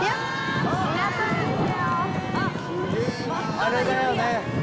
あれだよね？